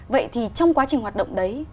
vậy thì trong quá trình hoạt động đấy